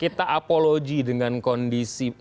kita apologi dengan kondisi